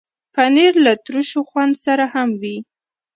پنېر له ترشو خوند سره هم وي.